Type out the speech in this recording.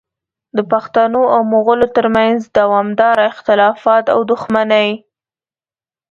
د پښتنو او مغولو ترمنځ دوامداره اختلافات او دښمنۍ